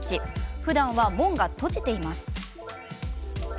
ふだんは門が閉じています。